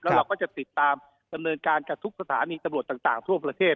เราก็จะติดตามดำเนินการกับทุกสถานีตำรวจต่างทั่วประเทศ